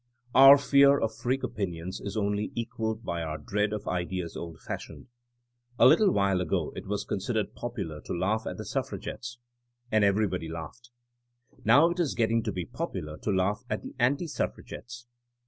Our fear of freak opinions is only equalled by our dread of ideas old fashioned. A little while ago it was considered popular to laugh at the suffragettes. And everybody laughed. Now it is getting to be popular to laugh at the anti suffragettes.